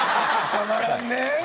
たまらんね。